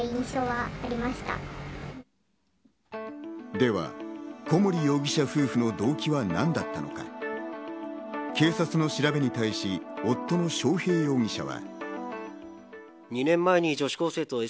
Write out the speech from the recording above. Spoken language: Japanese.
では小森容疑者夫婦の動機は何だったのか、警察の調べに対し、夫の章平容疑者は。